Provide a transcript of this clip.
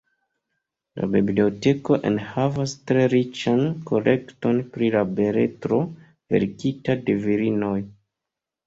La biblioteko enhavas tre riĉan kolekton pri la beletro verkita de virinoj.